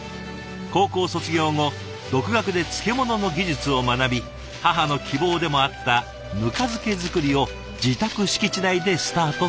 高校卒業後独学で漬物の技術を学び母の希望でもあったぬか漬け作りを自宅敷地内でスタートさせました。